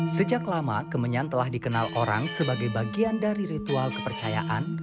sejak lama kemenyan telah dikenal orang sebagai bagian dari ritual kepercayaan